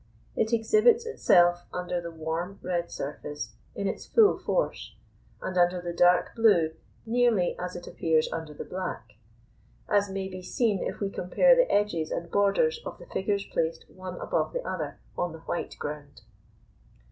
It exhibits itself under the warm red surface in its full force, and under the dark blue nearly as it appears under the black: as may be seen if we compare the edges and borders of the figures placed one above the other on the white ground.